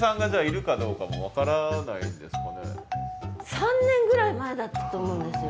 ３年ぐらい前だったと思うんですよ。